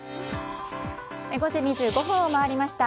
５時２５分を回りました。